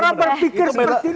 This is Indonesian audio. cara berpikir seperti ini